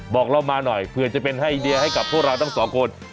บอกเรามาหน่อยเผื่อจะเป็นไอเดียให้กับพวกเราทั้งสองคน